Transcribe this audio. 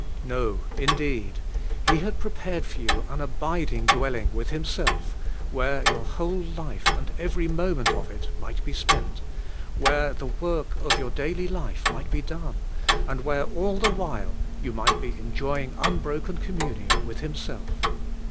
No, indeed; He had prepared for you an abiding dwelling with Himself, where your whole life and every moment of it might be spent, where the work of your daily life might be done, and where all the while you might be enjoying unbroken communion with Himself.